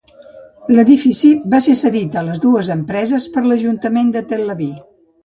L'edifici va ser cedit a les dues empreses per l'Ajuntament de Tel Aviv.